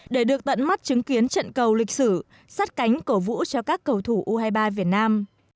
để được tận mắt chứng kiến trận cầu lịch sử sát cánh cổ vũ cho các cầu thủ u hai mươi ba việt nam